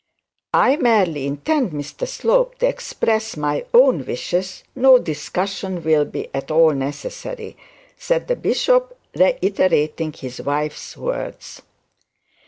'I merely intend, Mr Slope, to express my own wishes no discussion will be at all necessary,' said the bishop, reiterating his wife's words.